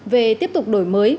về tiếp tục đổi mới